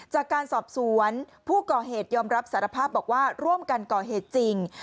จากการสอบสวนผู้ก่อเหตุยอมรับสารภาพบอกว่าร่วมกันก่อเหตุจริง